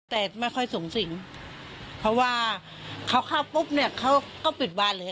แต่ไม่ค่อยสูงสิงเพราะว่าเขาเข้าปุ๊บเนี่ยเขาก็ปิดวานเลย